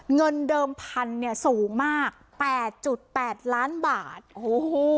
เงินเดิมพันธุ์เนี่ยสูงมากแปดจุดแปดล้านบาทโอ้โห